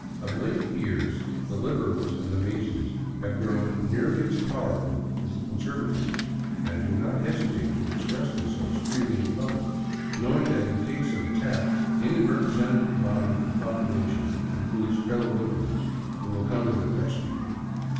Of late years the Liberals and the Masons have grown nearly as powerful as the Conservatives, and do not hesitate to express themselves freely in public, knowing that in case of attack any representative body of the population includes fellow Liberals who will come to their rescue.